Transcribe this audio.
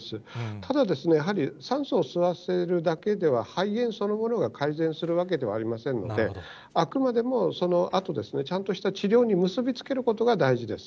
ただですね、やはり酸素を吸わせるだけでは、肺炎そのものが改善するわけではありませんので、あくまでもそのあと、ちゃんとした治療に結び付けることが大事です。